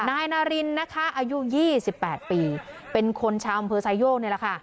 นายนารินนะคะอายุ๒๘ปีเป็นคนชาวอำเภอไซโยกนี่แหละค่ะ